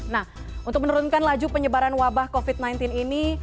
nah untuk menurunkan laju penyebaran wabah covid sembilan belas ini